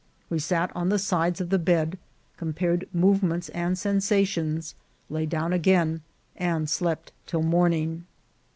We sat on the sides of the bed, compared movements and sensations, lay down again, and slept till morning.